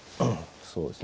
そうですね